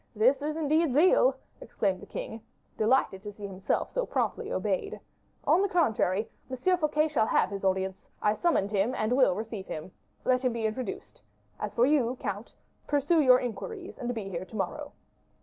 This is, indeed, zeal!" exclaimed the king, delighted to see himself so promptly obeyed. "On the contrary, M. Fouquet shall have his audience. I summoned him, and will receive him. Let him be introduced. As for you, count, pursue your inquiries, and be here to morrow."